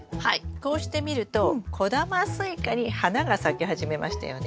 こうして見ると小玉スイカに花が咲き始めましたよね。